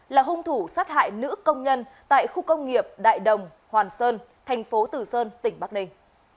là hung thủ sát hại nữ công nhân tại khu công nghiệp đại đồng hoàn sơn thành phố tử sơn tỉnh bắc ninh